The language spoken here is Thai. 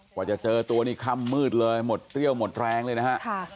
กว่าจะเจอตัวนี่ค่ำมืดเลยหมดเปรี้ยวหมดแรงเลยนะฮะ